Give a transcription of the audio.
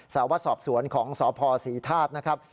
สาววัดสอบสวนของสพศรีธาตุนะครับ